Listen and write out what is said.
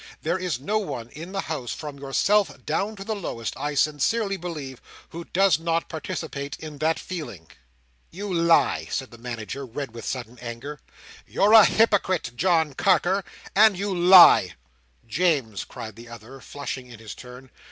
There is no one in the House, from yourself down to the lowest, I sincerely believe, who does not participate in that feeling." "You lie!" said the Manager, red with sudden anger. "You're a hypocrite, John Carker, and you lie." "James!" cried the other, flushing in his turn.